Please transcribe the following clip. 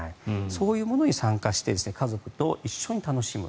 そういうものに参加して家族と一緒に楽しむ。